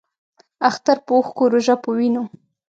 اختر پۀ اوښکو ، روژۀ پۀ وینو